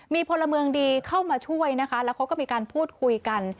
มีพลเมืองดีเข้ามาช่วยนะคะแล้วเขาก็มีการพูดคุยกัน